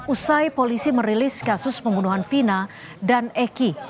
usai polisi merilis kasus pembunuhan vina dan eki